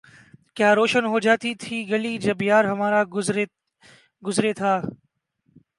کیا روشن ہو جاتی تھی گلی جب یار ہمارا گزرے تھا